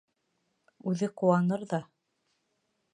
Үҙе ҡыуаныр ҙа.